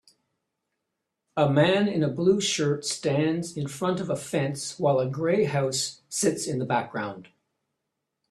A man in a blue shirt stands in front of a fence while a gray house sits in the background